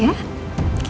ya siap ya